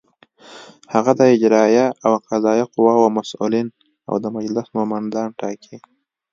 هغه د اجرائیه او قضائیه قواوو مسؤلین او د مجلس نوماندان ټاکي.